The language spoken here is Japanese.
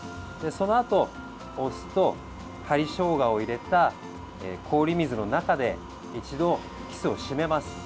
そのあと、お酢と針しょうがを入れた氷水の中で一度キスを締めます。